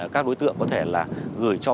các đối tượng có thể gửi cho